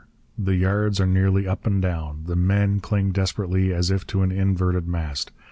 The yards are nearly up and down. The men cling desperately, as if to an inverted mast.